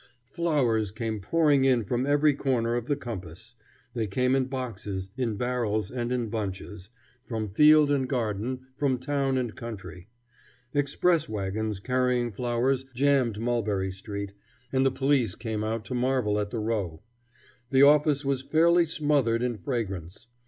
Flowers came pouring in from every corner of the compass. They came in boxes, in barrels, and in bunches, from field and garden, from town and country. Express wagons carrying flowers jammed Mulberry Street, and the police came out to marvel at the row. The office was fairly smothered in fragrance.